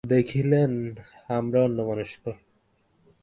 দেখিলেন, আমরা অন্যমনস্ক।